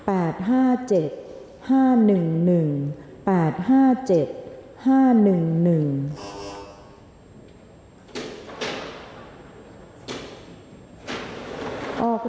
ออกรางวัลที่๖ครั้งที่๗เลขที่๘๔๕๕๓๘๘๔๕๕๓๘